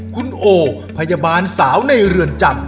คุณโอพยาบาลสาวในเรือนจำ